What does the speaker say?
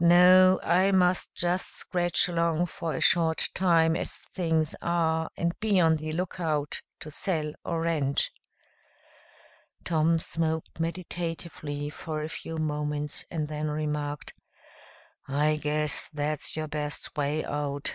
No, I must just scratch along for a short time as things are and be on the lookout to sell or rent." Tom smoked meditatively for a few moments, and then remarked, "I guess that's your best way out."